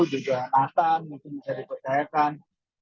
juga matang mungkin bisa dipercayakan